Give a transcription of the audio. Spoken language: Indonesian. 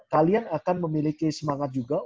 kalian akan memiliki semangat juga